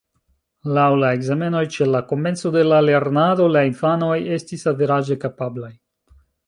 Laŭ la ekzamenoj ĉe la komenco de la lernado la infanoj estis averaĝe kapablaj.